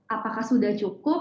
apakah sudah cukup